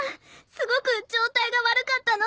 すごく状態が悪かったの。